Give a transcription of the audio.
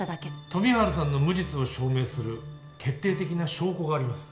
富治さんの無実を証明する決定的な証拠があります。